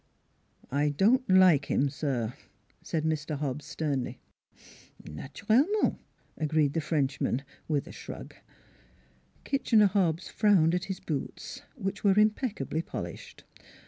"" I don't like him, sir," said Mr. Hobbs sternly. " Naturellement" agreed the Frenchman, with a shrug. Kitchener Hobbs frowned at his boots, which were impeccably polished.